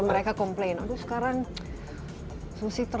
umurnya mau dua tahun